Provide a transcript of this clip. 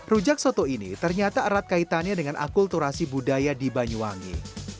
rujak soto ini ternyata erat kaitannya dengan akulturasi budaya di banyuwangi